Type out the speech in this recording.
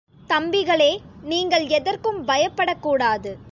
தம்பிகளே, நீங்கள் எதற்கும் பயப்படக்கூடாது.